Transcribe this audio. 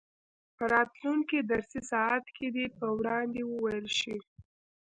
په راتلونکي درسي ساعت کې دې په وړاندې وویل شي.